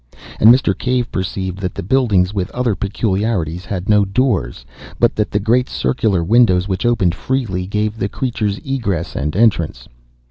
And Mr. Cave perceived that the buildings, with other peculiarities, had no doors, but that the great circular windows, which opened freely, gave the creatures egress and entrance.